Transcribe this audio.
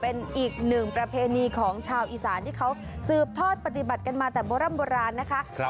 เป็นอีกหนึ่งประเพณีของชาวอีสานที่เขาสืบทอดปฏิบัติกันมาแต่โบร่ำโบราณนะคะ